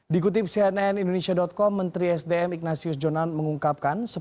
dikutip cnn indonesia com menteri sdm ignatius jonan mengungkapkan